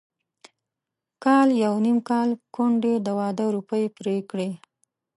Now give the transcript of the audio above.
کال يو نيم کال کونډې د واده روپۍ پرې کړې.